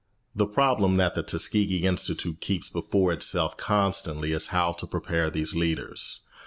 The problem that the Tuskegee Institute keeps before itself constantly is how to prepare these leaders.